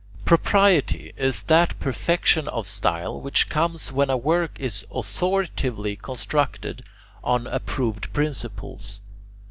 5. Propriety is that perfection of style which comes when a work is authoritatively constructed on approved principles.